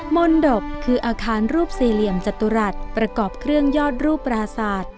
มนตบคืออาคารรูปสี่เหลี่ยมจตุรัสประกอบเครื่องยอดรูปปราศาสตร์